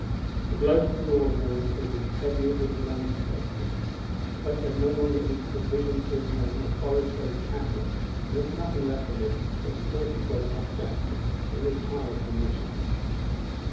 The blow to the Northerners was as heavy as it was unexpected. Pope had no longer either provisions for his men or forage for his cattle, and there was nothing left for him but to force his way past Jackson and retire upon Washington.